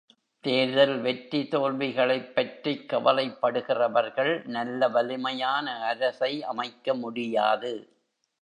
தேர்தல் வெற்றி தோல்விகளைப் பற்றிக் கவலைப்படுகிறவர்கள் நல்ல வலிமையான அரசை அமைக்க முடியாது.